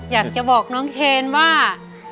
อยากจะบอกน้องเชนว่า